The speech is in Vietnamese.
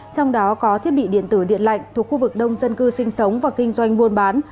trong đó có thiết bị điện tử điện lạnh thuộc khu vực đông dân cư sinh sống và kinh doanh buôn bán